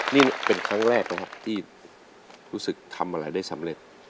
นี่เป็นครั้งแรกนะครับที่รู้สึกทำอะไรได้สำเร็จ